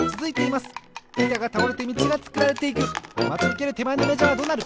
まちうけるてまえのメジャーはどうなる？